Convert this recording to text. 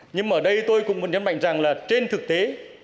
nhưng mà đây tôi cũng muốn nhấn mạnh rằng là trên thực tế